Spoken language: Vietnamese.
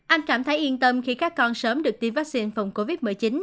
anh cảm thấy yên tâm khi các con sớm được tiêm vaccine phòng covid một mươi chín